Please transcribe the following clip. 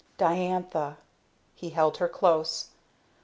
"Diantha!" He held her close.